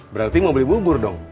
berarti mau beli bubur dong